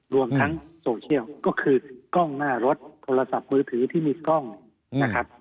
รวมทั้งโซเชียลก็คือกล้องหน้ารถโทรศัพท์มือถือที่มีกล้องนะครับ